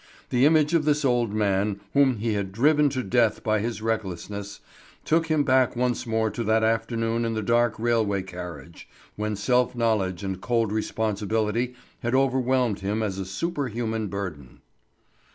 The image of this old man, whom he had driven to death by his recklessness, took him back once more to that afternoon in the dark railway carriage when self knowledge and cold responsibility had overwhelmed him as a superhuman burden.